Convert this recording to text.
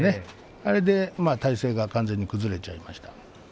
あれで体勢が完全に崩れましたね。